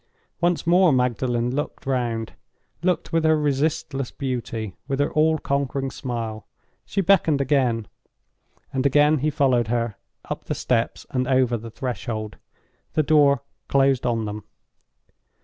Once more, Magdalen looked round—looked with her resistless beauty, with her all conquering smile. She beckoned again; and again he followed her—up the steps, and over the threshold. The door closed on them.